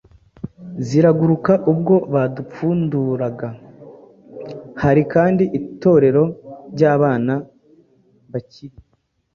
ziraguruka ubwo badupfunduraga. Hari kandi itorero ry’abana bakiri